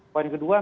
poin kedua memang